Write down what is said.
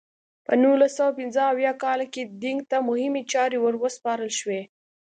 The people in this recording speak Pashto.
په نولس سوه پنځه اویا کال کې دینګ ته مهمې چارې ور وسپارل شوې.